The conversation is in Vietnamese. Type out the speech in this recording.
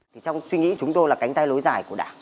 chúng tôi suy nghĩ chúng tôi là cánh tay lối dài của đảng